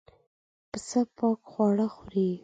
پسه پاک خواړه خوري.